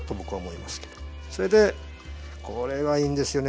それでこれがいいんですよね